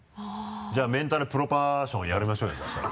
じゃあメンタルプロパーションやりましょうよそしたら。